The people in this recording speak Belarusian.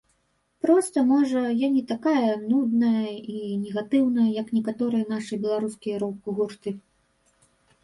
Проста, можа, я не такая нудная і негатыўная, як некаторыя нашыя беларускія рок-гурты.